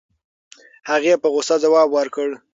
هغې په غوسه ځواب ورکړ.